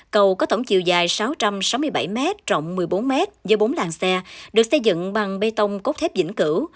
cầu có tổng chiều dài sáu trăm sáu mươi bảy m trọng một mươi bốn m với bốn làng xe được xây dựng bằng bê tông cốt thép dĩnh cửu